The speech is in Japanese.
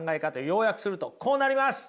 要約するとこうなります。